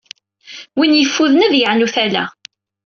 Win yeffuden, ad yeɛnu tala.